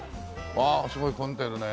ああすごい混んでるね。